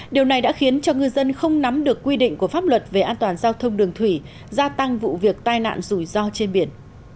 điều này đã khiến cho ngư dân không nắm được quy định của pháp luật về an toàn giao thông đường thủy gia tăng vụ việc tai nạn rủi ro trên biển